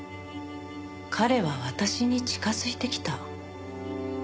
彼は私に近づいてきた。